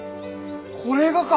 これがか！